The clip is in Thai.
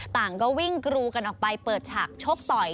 ต่างก็วิ่งกรูกันออกไปเปิดฉากชกต่อย